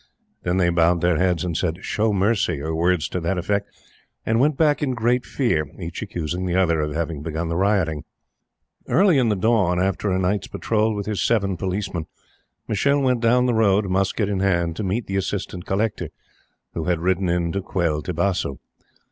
Then they bowed their heads and said: "Show mercy!" or words to that effect, and went back in great fear; each accusing the other of having begun the rioting. Early in the dawn, after a night's patrol with his seven policemen, Michele went down the road, musket in hand, to meet the Assistant Collector, who had ridden in to quell Tibasu.